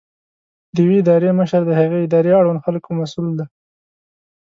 د یوې ادارې مشر د هغې ادارې اړوند خلکو مسؤل دی.